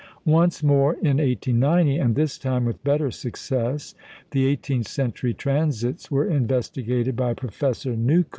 Once more in 1890, and this time with better success, the eighteenth century transits were investigated by Professor Newcomb.